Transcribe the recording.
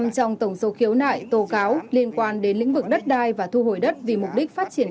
năm trong tổng số khiếu nại tố cáo liên quan đến lĩnh vực đất đai và thu hồi đất vì mục đích phát triển